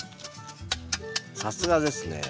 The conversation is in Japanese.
さすがですね。